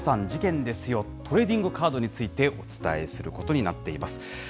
事件ですよ、トレーディングカードについてお伝えすることになっています。